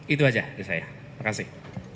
itu saja dari saya terima kasih